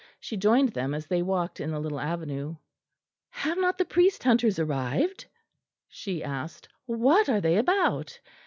She joined them as they walked in the little avenue. "Have not the priest hunters arrived?" she asked. "What are they about?